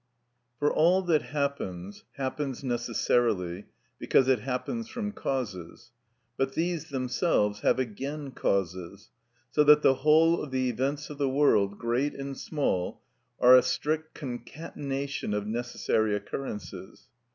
For all that happens, happens necessarily, because it happens from causes; but these themselves have again causes, so that the whole of the events of the world, great and small, are a strict concatenation of necessary occurrences.